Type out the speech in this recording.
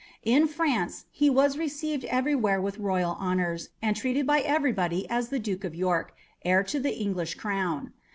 In France he was received everywhere with royal honours, and treated by everybody as the Duke of York, heir to the English crown.